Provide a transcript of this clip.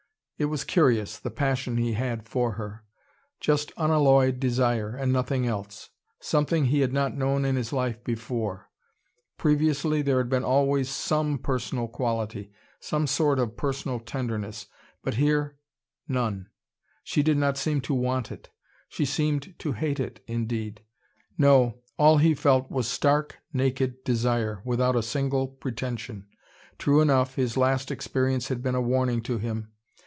It was curious, the passion he had for her: just unalloyed desire, and nothing else. Something he had not known in his life before. Previously there had been always some personal quality, some sort of personal tenderness. But here, none. She did not seem to want it. She seemed to hate it, indeed. No, all he felt was stark, naked desire, without a single pretension. True enough, his last experience had been a warning to him.